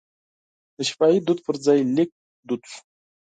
د شفاهي دود پر ځای لیک دود شو.